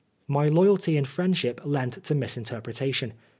My loyalty in friendship lent to misinter pretation.